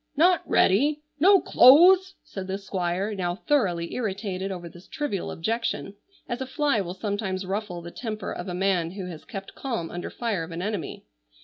"Not ready! No clothes!" said the Squire, now thoroughly irritated over this trivial objection, as a fly will sometimes ruffle the temper of a man who has kept calm under fire of an enemy.